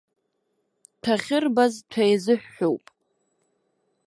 Ҭәа ахьырбаз ҭәа еизыҳәҳәоуп.